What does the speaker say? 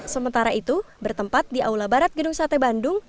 sementara itu bertempat di aula barat gedung sate bandung